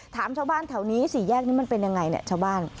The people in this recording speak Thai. ถามชาวบ้านแถวนี้สี่แยกนี้มันเป็นยังไงเนี่ยชาวบ้าน